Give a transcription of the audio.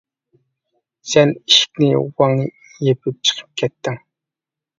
سەن ئىشىكنى ۋاڭ يېپىپ چىقىپ كەتتىڭ.